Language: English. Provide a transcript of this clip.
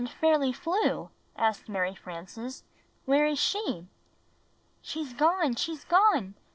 "And Fairl}' Flew," asked Mary Frances; "where is she?" "She's gone! She's gone!